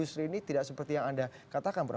usai jeda pariwara berikutnya